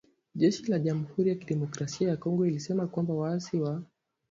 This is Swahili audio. jeshi la jamhuri ya kidemokrasia ya Kongo lilisema kwamba waasi wa